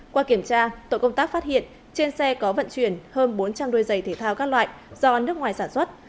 qua kiểm tra tội công tác phát hiện trên xe có vận chuyển hơn bốn trăm linh đôi giày thể thao các loại do nước ngoài sản xuất